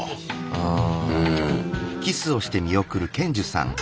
うん。